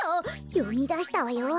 よみだしたわよ。